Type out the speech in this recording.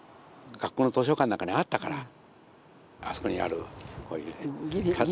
学校の図書館の中にあったからあそこにあるこういう。